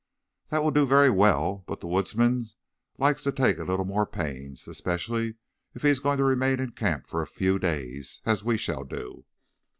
"That will do very well, but the woodsman likes to take a little more pains, especially if he is going to remain in camp for a few days, as we shall do."